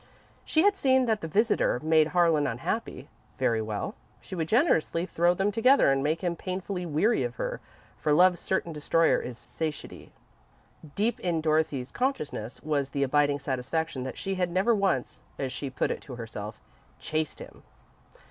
She had seen that the visitor made Harlan unhappy very well, she would generously throw them together and make him painfully weary of her, for Love's certain destroyer is Satiety. Deep in Dorothy's consciousness was the abiding satisfaction that she had never once, as she put it to herself, "chased him."